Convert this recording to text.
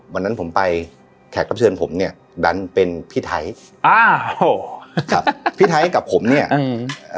วันนั้นผมไปแขกรับเชิญผมเนี้ยดันเป็นพี่ไทยอ้าวกับพี่ไทยกับผมเนี้ยอืม